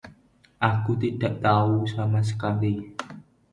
Aku tidak tahu sama sekali.